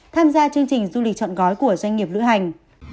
tham gia chương trình du lịch chọn gói của doanh nghiệp lữ hành